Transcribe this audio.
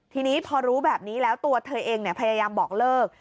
ทีนี้พอรู้แบบนี้แล้วตัวเธอเองพยายามบอกเลิก